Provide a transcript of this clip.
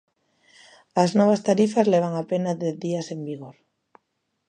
As novas tarifas levan apenas dez días en vigor.